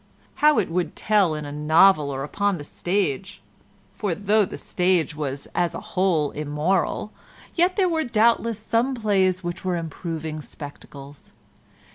How it would tell in a novel or upon the stage, for though the stage as a whole was immoral, yet there were doubtless some plays which were improving spectacles.